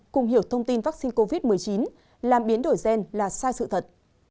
cùng hiểu thông tin vaccine covid một mươi chín làm biến đổi gen là sai sự thật